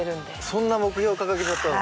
そんな目標掲げちゃったの？